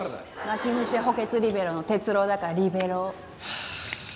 泣き虫補欠リベロの哲郎だからリベロウ。